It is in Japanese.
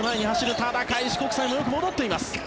ただ、開志国際もよく戻っています。